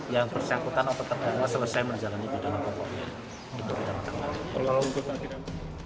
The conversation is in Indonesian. yang persyakutan obat terdama selesai menjalani bidang bidang